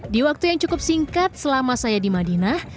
di waktu yang cukup singkat selama saya di madinah